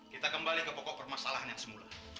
kita kembali ke pokok permasalahan yang semula